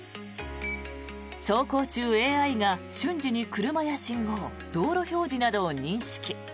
走行中、ＡＩが瞬時に車や信号道路標示などを認識。